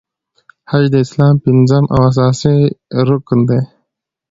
حج د اسلام پنځم او اساسې رکن دی .